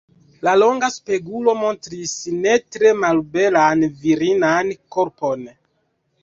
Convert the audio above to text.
La longa spegulo montris ne tre malbelan virinan korpon.